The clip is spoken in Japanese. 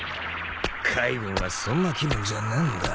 海軍はそんな気分じゃねえんだ